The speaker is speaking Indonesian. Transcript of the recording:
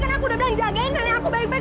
kan aku udah bilang jagain nenek aku baik baik